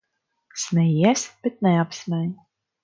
Smejies, bet neapsmej.